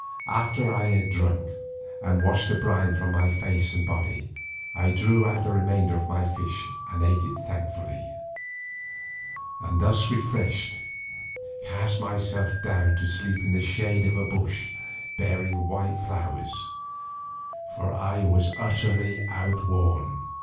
After I had drunk and washed the brine from my face and body, I drew out the remainder of my fish and ate it thankfully, and thus refreshed, cast myself down to sleep in the shade of a bush bearing white flowers, for I was utterly outworn.